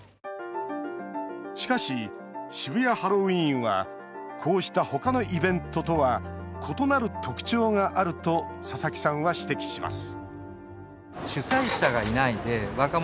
しかし、渋谷ハロウィーンはこうした他のイベントとは異なる特徴があると佐々木さんは指摘します